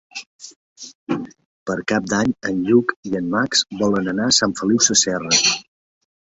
Per Cap d'Any en Lluc i en Max volen anar a Sant Feliu Sasserra.